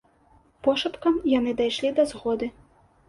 Пошапкам яны дайшлі да згоды.